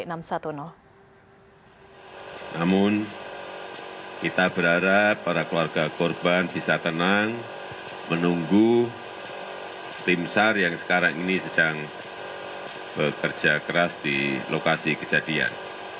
namun kita berharap para keluarga korban bisa tenang menunggu tim sar yang sekarang ini sedang bekerja keras di lokasi kejadian